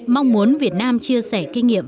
mong muốn việt nam chia sẻ kinh nghiệm